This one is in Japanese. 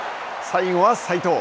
最後は齋藤。